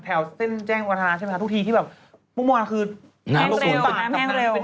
แถวเส้นแจ้งกวาธาใช่ไหมคะทุกทีที่แบบเมื่อวานคือแห้งเร็ว